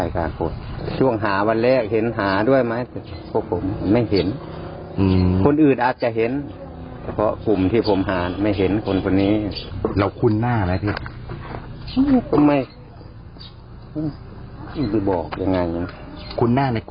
กรกกรอกก็เห็นบ่อยอยู่